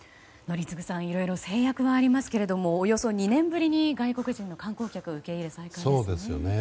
宜嗣さんいろいろ制約はありますがおよそ２年ぶりに外国人の観光客受け入れ再開ですね。